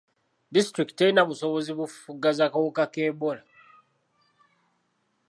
Disitulikiti terina busobozi bufufugaza kawuka ka Ebola.